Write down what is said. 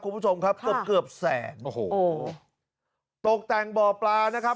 คุณผู้ชมครับเกือบเกือบแสนโอ้โหตกแต่งบ่อปลานะครับ